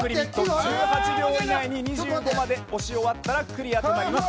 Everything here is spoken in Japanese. １８秒以内に２５まで押し終わったらクリアとなります。